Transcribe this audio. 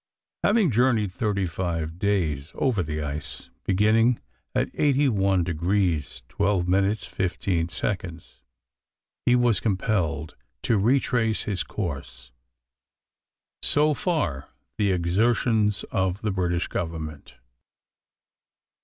Having journeyed thirty five days over the ice, beginning at 81 deg. 12 min. 15 sec. he was compelled to retrace his course. So far the exertions of the British Government.